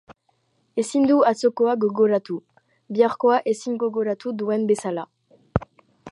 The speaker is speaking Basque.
Ezin du atzokoa gogoratu, biharkoa ezin gogoratu duen bezala.